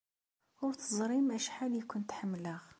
Ur teẓrim acḥal ay kent-ḥemmleɣ.